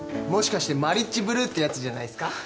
もしかしてマリッジブルーってやつじゃないっすか？